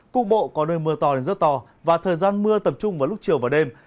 cục bộ có nơi mưa to đến rất to và thời gian mưa tập trung vào lúc chiều và đêm